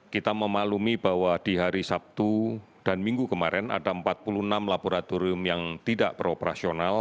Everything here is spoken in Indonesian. kita memaklumi bahwa di hari sabtu dan minggu kemarin ada empat puluh enam laboratorium yang tidak beroperasional